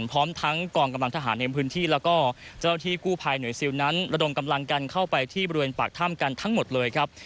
พร้อมทั้งกองกำลังทหารในพื้นที่แล้วก็เจ้าที่คู่ภายเหนือยซิลรดมกำลังกันเข้าไปที่ปลรวยบักท่ั่งกันทั้งหมดเลยครับ